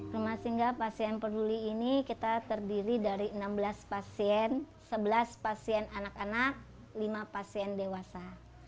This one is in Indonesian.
rumah singgah pasien peduli ini kita terdiri dari enam belas pasien sebelas pasien anak anak lima pasien dewasa